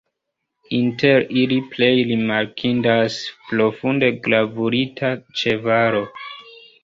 Inter ili plej rimarkindas profunde gravurita ĉevalo.